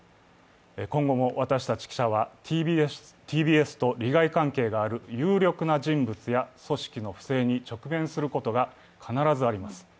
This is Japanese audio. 今後も私たち記者はＴＢＳと利害関係がある有力な人物や組織の不正に直面することが必ずあります。